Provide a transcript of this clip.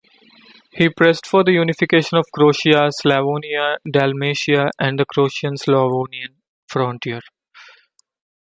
He pressed for the unification of Croatia, Slavonia, Dalmatia, and the Croatian-Slavonian Frontier.